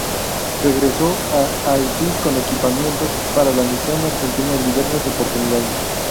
Regresó a Haití con equipamientos para la misión argentina en diversas oportunidades.